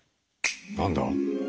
何だ？